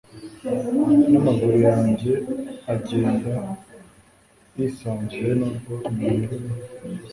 n'amaguru yanjye agenda yisanzuyenubwo iminyururu